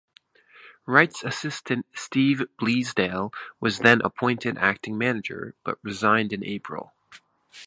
Wright's assistant Steve Bleasdale was then appointed acting manager, but resigned in April.